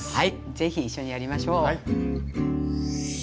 是非一緒にやりましょう。